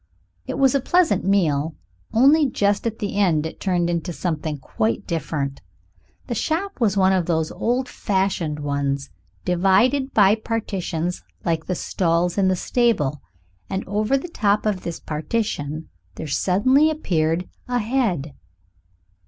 It was a pleasant meal. Only just at the end it turned into something quite different. The shop was one of those old fashioned ones, divided by partitions like the stalls in a stable, and over the top of this partition there suddenly appeared a head.